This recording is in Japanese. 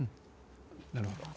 なるほど。